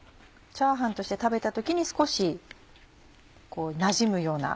チャーハンとして食べた時に少しこうなじむような。